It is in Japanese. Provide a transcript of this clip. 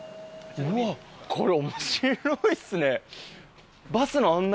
うわこれ面白いですね。